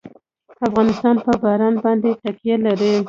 افغانستان په باران باندې تکیه لري.